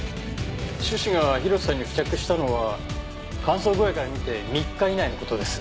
種子が広瀬さんに付着したのは乾燥具合から見て３日以内の事です。